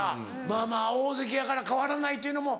まぁまぁ大関やから変わらないっていうのも。